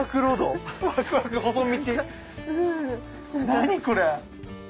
何これ⁉